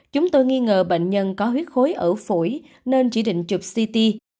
chúng tôi nghi ngờ bệnh nhân có huyết khối ở phổi nên chỉ định chụp ct